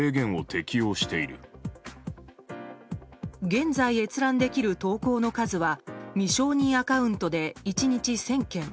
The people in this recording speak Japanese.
現在、閲覧できる投稿の数は未承認アカウントで１日１０００件。